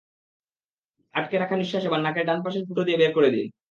আটকে রাখা নিশ্বাস এবার নাকের ডান পাশের ফুটো দিয়ে বের বরে দিন।